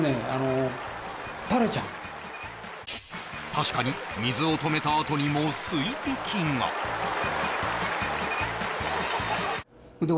確かに水を止めたあとにも水滴がハハハ